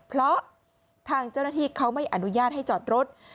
เพราะทางเจ้าหน้าที่เขาไม่อนุญาตให้จอดรถ